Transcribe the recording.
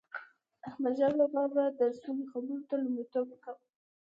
احمدشاه بابا به د سولي خبرو ته لومړیتوب ورکاوه.